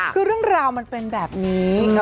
คือเรื่องราวมันเป็นแบบนี้